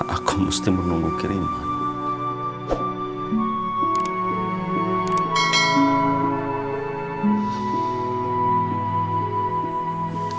aku mesti menunggu kiriman